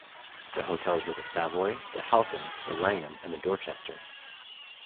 The hotels were the Savoy, the Halkin, the Langham and the Dorchester.